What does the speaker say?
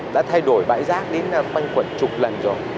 đã thay đổi bãi rác đến banh quận chục lần rồi